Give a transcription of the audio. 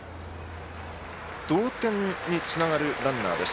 同点につながるランナーです。